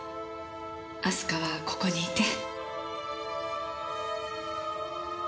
明日香はここにいて。